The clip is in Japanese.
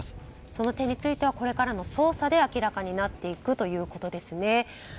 その点についてはこれからの捜査で明らかになっていくということですね。